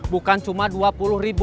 bukan cuma rp dua puluh ribu